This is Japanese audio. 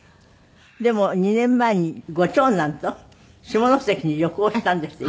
でも２年前にご長男と下関に旅行したんですって？